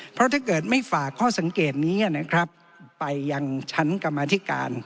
เพราะถ้าเกิดไม่ฝากข้อสังเกตนี้นะครับไปยังชั้นกรรมธิการ